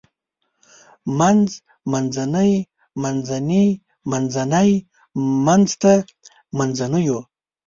منځ منځنۍ منځني منځتی منځته منځنيو